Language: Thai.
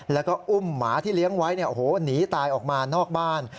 แล้วก็อุ้มหมาที่เลี้ยงไว้หนีตายออกมานอกบ้าน